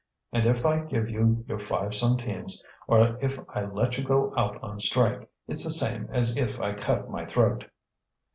and if I give you your five centimes, or if I let you go out on strike, it's the same as if I cut my throat."